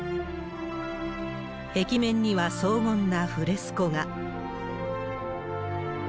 壁面には荘厳なフレスコ画。